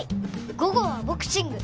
午後はボクシング。